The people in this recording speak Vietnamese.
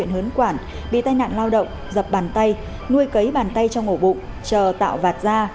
hớn quản bị tai nạn lao động dập bàn tay nuôi cấy bàn tay trong ổ bụng chờ tạo vạt da